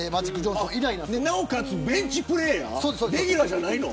なおかつベンチプレーヤーレギュラーじゃないの。